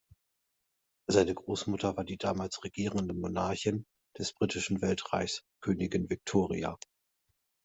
Seine Großmutter war die damals regierende Monarchin des Britischen Weltreichs, Königin Victoria.